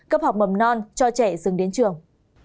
cấp học mầm non cho trẻ dừng đến trường